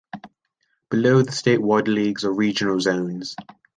Below the state-wide leagues are regional zones.